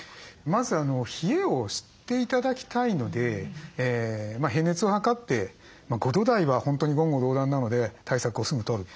まず冷えを知って頂きたいので平熱を測って５度台は本当に言語道断なので対策をすぐとる。